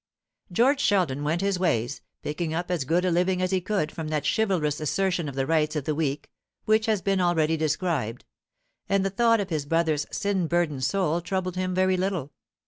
George Sheldon went his ways, picking up as good a living as he could from that chivalrous assertion of the rights of the weak which has been already described; and the thought of his brother's sin burdened soul troubled him very little.